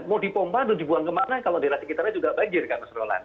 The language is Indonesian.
mau dipompa atau dibuang kemana kalau daerah sekitarnya juga banjir kan mas rolan